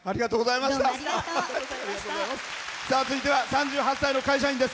続いては３８歳の会社員です。